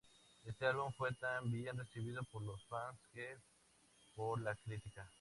Éste álbum fue tan bien recibido por los fans que por la crítica.